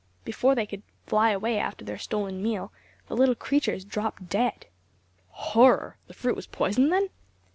Before they could fly away after their stolen meal the little creatures dropped dead." "Horror! the fruit was poisoned then?"